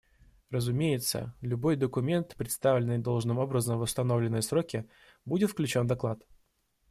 Разумеется, любой документ, представленный должным образом в установленные сроки, будет включен в доклад.